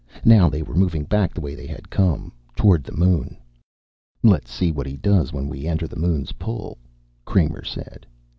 Now they were moving back the way they had come, toward the moon. "Let's see what he does when we enter the moon's pull," Kramer said.